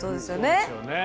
そうですよね。